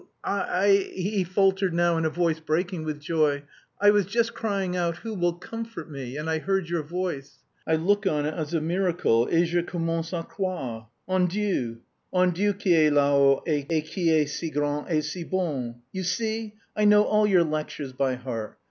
I..." he faltered now in a voice breaking with joy. "I was just crying out 'who will comfort me?' and I heard your voice. I look on it as a miracle et je commence à croire." "En Dieu! En Dieu qui est là haut et qui est si grand et si bon! You see, I know all your lectures by heart.